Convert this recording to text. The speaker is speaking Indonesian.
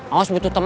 aos butuh temen